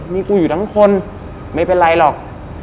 มีกูอยู่ทั้งคนไม่เป็นไรหรอก